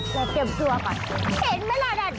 แล้วเตรียมทั่วก่อนเห็นไหมละนั่น